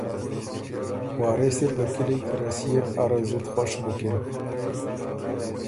وارث اِر که کِلئ کی رسيېک اره زُت خوش بُکِن۔